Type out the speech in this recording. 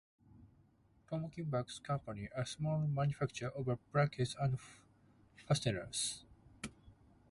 Tomkins Buckle Company, a small manufacturer of buckles and fasteners.